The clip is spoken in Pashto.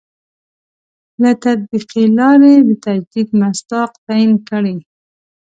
له تطبیقي لاري د تجدید مصداق تعین کړي.